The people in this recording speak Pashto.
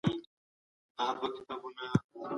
سياسي آندونو د ټولني لوری بدل کړ.